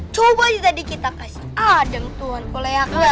coba aja tadi kita kasih adem tuhan kuleaknya